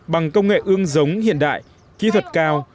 bằng công nghệ ương giống hiện đại kỹ thuật cao